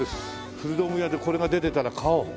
古道具屋でこれが出てたら買おう。